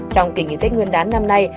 trong kỳ nghỉ tết nguyên đán năm nay